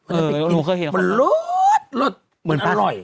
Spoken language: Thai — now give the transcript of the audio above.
อรูสเมียดค่ะมันรสระอร่อย